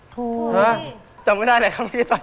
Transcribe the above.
ถูกมั้ยพี่จำไม่ได้แล้วคำนี้ยังไง